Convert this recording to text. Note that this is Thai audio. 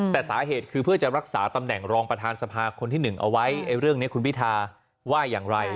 แต่สาเหตุคือเพื่อจะรักษาตำแหน่งรองประธานสภาคนที่๑เอาไว้เรื่องนี้คุณพิธาว่าอย่างไร